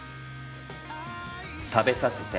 食べさせて。